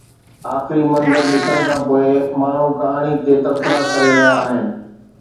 آخري منظر ڏسڻ کان پوءِ ماڻهو ڪهاڻي تي تبصرا ڪري رهيا آهن.